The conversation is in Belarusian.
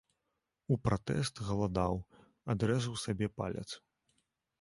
У пратэст галадаў, адрэзаў сабе палец.